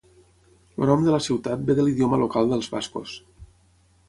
El nom de la ciutat ve de l'idioma local dels bascos.